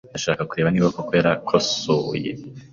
Ndashaka kureba niba koko yarakosoye.